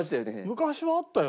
昔はあったよ